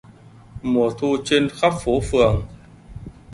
Mùa thu trên khắp phố phường